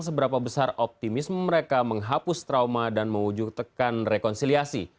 seberapa besar optimisme mereka menghapus trauma dan mewujudkan rekonsiliasi